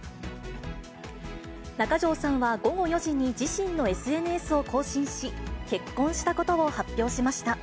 中条さんは午後４時に、自身のＳＮＳを更新し、結婚したことを発表しました。